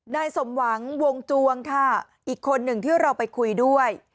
นายสมหวังวงจวงค่ะอีกคนหนึ่งที่เราไปคุยด้วย